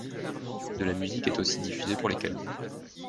De la musique est aussi diffusée pour les calmer.